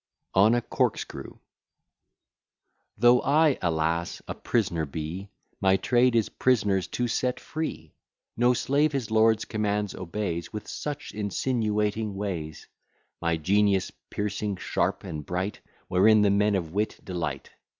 ON A CORKSCREW Though I, alas! a prisoner be, My trade is prisoners to set free. No slave his lord's commands obeys With such insinuating ways. My genius piercing, sharp, and bright, Wherein the men of wit delight.